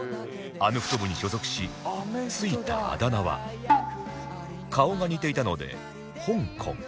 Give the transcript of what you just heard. アメフト部に所属し付いたあだ名は顔が似ていたのでほんこん